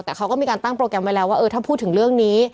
แต่เขาก็มีการตั้งโปรแกรมไว้แล้วว่าเออถ้าพูดถึงเรื่องนี้